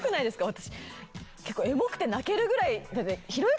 私結構エモくて泣けるぐらい。